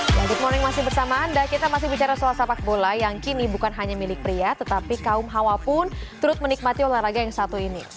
ya good morning masih bersama anda kita masih bicara soal sepak bola yang kini bukan hanya milik pria tetapi kaum hawa pun turut menikmati olahraga yang satu ini